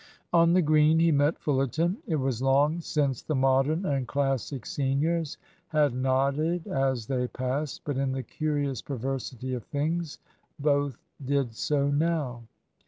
On the Green he met Fullerton. It was long since the Modern and Classic seniors had nodded as they passed, but in the curious perversity of things both did so now.